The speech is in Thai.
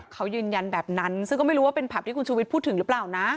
เขายืนยันแบบนั้นซึ่งก็ไม่รู้ว่าเป็นผับที่คุณชูวิทย์พูดถึงหรือเปล่านะ